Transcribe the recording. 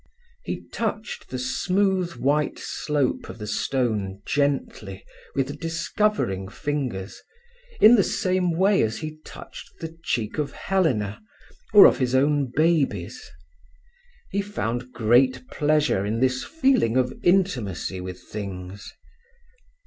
He touched the smooth white slope of the stone gently with discovering fingers, in the same way as he touched the cheek of Helena, or of his own babies. He found great pleasure in this feeling of intimacy with things.